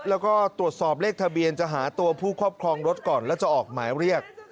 แล้วก็ตรวจสอบเลขทะเบียนจะหาตัวผู้ครอบครองรถก่อนแล้วจะออกหมายเรียก